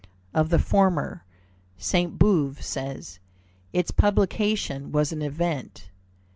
Of the former, Sainte Beuve says: "Its publication was an event.